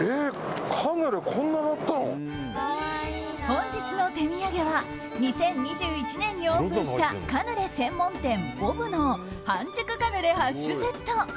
本日の手土産は２０２１年にオープンしたカヌレ専門店ｂｏＢの半熟カヌレ８種セット。